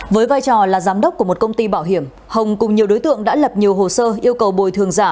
với vai trò là giám đốc của một công ty bảo hiểm hồng cùng nhiều đối tượng đã lập nhiều hồ sơ yêu cầu bồi thường giả